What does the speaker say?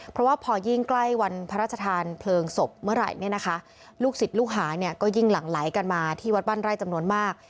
เพราะว่าพอยิ่งใกล้วันพระราชทานเพลิงศพเมื่อไหร่เนี่ยนะคะลูกศิษย์ลูกหาเนี่ยก็ยิ่งหลั่งไหลกันมาที่วัดบ้านไร่จำนวนมาก